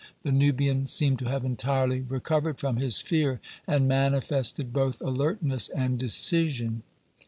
The Nubian seemed to have entirely recovered from his fear, and manifested both alertness and decision.